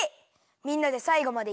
みんなでさいごまでいくよ！